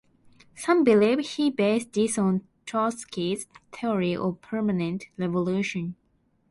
Some believe he based this on Trotsky's Theory of Permanent Revolution.